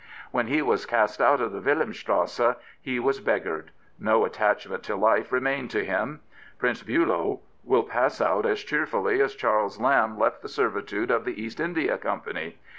When he was cast out of the Wilhelmstrasse he was beggared. No attachment to life remained to him. Prince Billow will pass out as cheerfully as Charles Lamb left the servitude of the East India Company.